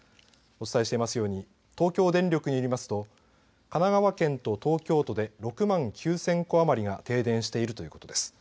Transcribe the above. お伝えしていますように東京電力によりますと神奈川県と東京都で６万９０００戸余りが停電しているということです。